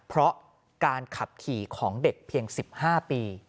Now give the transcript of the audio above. เพราะการขับขี่ของเด็กเพียง๑๕ปี